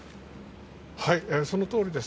そのとおりです。